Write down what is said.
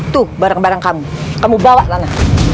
tuh barang barang kamu kamu bawa tanah